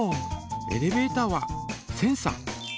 エレベータはセンサ